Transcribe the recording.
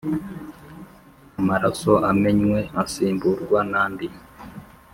amaraso amenwe asimburwa n’andi!